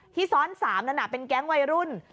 ซ้อน๓นั้นเป็นแก๊งวัยรุ่น